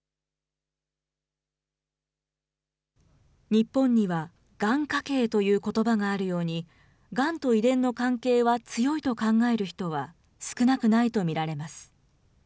日本には、がん家系ということばがあるように、がんと遺伝の関係は強いと考える人は少なくないと見られます。